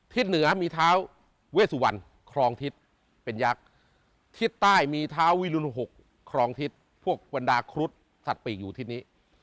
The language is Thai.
เหนือมีเท้าเวสุวรรณครองทิศเป็นยักษ์ทิศใต้มีเท้าวิรุณ๖ครองทิศพวกบรรดาครุฑสัตว์ปีกอยู่ทิศนี้